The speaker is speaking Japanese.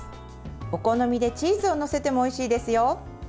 お好みでチーズを載せてもおいしいですよ。